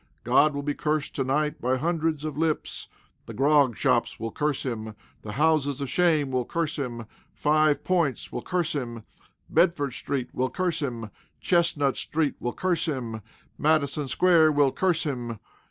God will be cursed to night by hundreds of lips. The grog shops will curse him. The houses of shame will curse him. Five Points will curse him. Bedford street will curse him. Chestnut street will curse him. Madison square will curse him.